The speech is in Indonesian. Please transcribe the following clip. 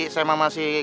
sam sama si karin